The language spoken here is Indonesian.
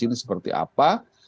ini seperti apa